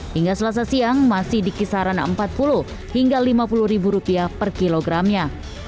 hingga selasa siang masih di kisaran rp empat puluh hingga rp lima puluh ribu rupiah per kilogramnya